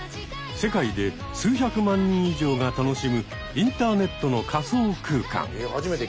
世界で数百万人以上が楽しむインターネットの仮想空間。